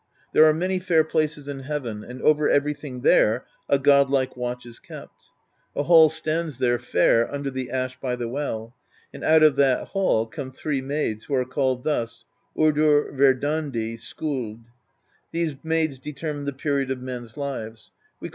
There are many fair places in heaven, and over everything there a godlike watch is kept. A hall stands there, fair, under the ash by the well, and out of that hall come three maids, who are called thus : Urdr,'^Verdandi,'^Skuld;'^ these maids determine the period of men's lives: we call them ' The Slipper.